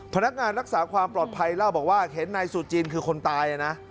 พนักงานรักษาความปลอดภัยเล่าบอกว่าเห็นนายสุจินคือคนตายนะ